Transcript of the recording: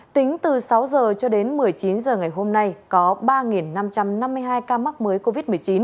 tính từ sáu h cho đến một mươi chín h ngày hôm nay có ba năm trăm năm mươi hai ca mắc mới covid một mươi chín